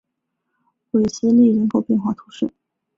韦斯利人口变化图示